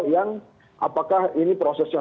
yang apakah ini prosesnya